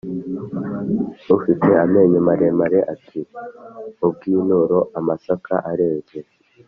ufite amenyo maremare ati:"mu bw'inturo amasaka areze